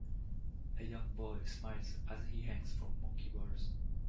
A young boy smiles as he hangs from monkey bars.